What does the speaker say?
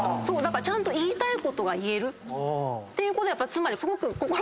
ちゃんと言いたいことが言えるっていうことはつまりすごく心が健康な県だし。